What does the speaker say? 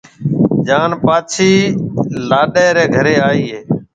جان پاڇِي لاڏَي رَي گھرَي آئيَ ھيََََ